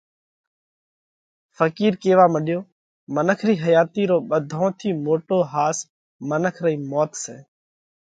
ڦقِير ڪيوا مڏيو: منک رِي حياتِي رو ٻڌون ٿِي موٽو ۿاس منک رئِي موت سئہ۔